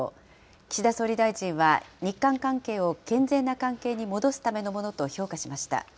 岸田総理大臣は、日韓関係を健全な関係に戻すためのものと評価しました。